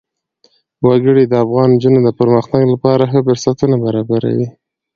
وګړي د افغان نجونو د پرمختګ لپاره ښه فرصتونه برابروي.